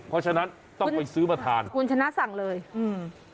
เพราะฉะนั้นต้องไปซื้อมาทานคุณชนะสั่งเลยอืม